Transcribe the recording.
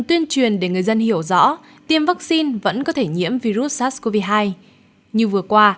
tuyên truyền để người dân hiểu rõ tiêm vaccine vẫn có thể nhiễm virus sars cov hai như vừa qua